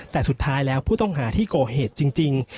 แต่สุดท้ายแล้วผู้ต้องหาที่ก่อเหตุจริง